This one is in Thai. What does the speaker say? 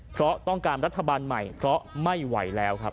เพราะต้องการรัฐบาลใหม่เพราะไม่ไหวแล้วครับ